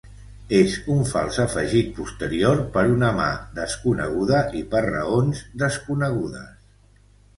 És un fals afegit posterior per una mà desconeguda i per raons desconegudes.